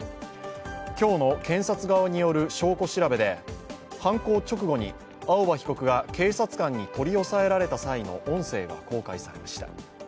今日の検察側による証拠調べで、犯行直後に青葉被告が警察官に取り押さえられた際の音声が公開されました。